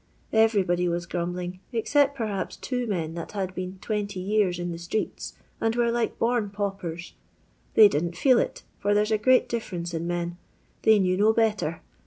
Bverybody was grumbling, except perhaps two men that had been 20 years in the streets, and were like bom panpen. They didn't fieel it, for there 's a great diflFerence in men. They knew no better.